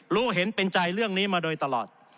รู้เห็นเป็นใจเรื่องนี้มาโดยตลอด